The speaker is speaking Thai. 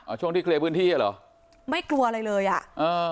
ช่วงที่เคลียร์พื้นที่อ่ะเหรอไม่กลัวอะไรเลยอ่ะอ่า